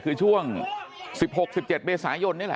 คือช่วงสิบหกสิบเจ็ดเบสายนนี่ละ